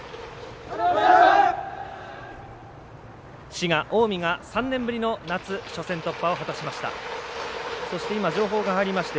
滋賀、近江が３年ぶりの夏、初戦突破を果たしました。